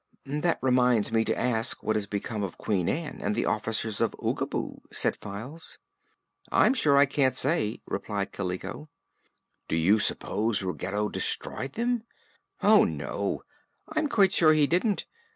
"That reminds me to ask what has become of Queen Ann and the Officers of Oogaboo," said Files. "I'm sure I can't say," replied Kaliko. "Do you suppose Ruggedo destroyed them?" "Oh, no; I'm quite sure he didn't.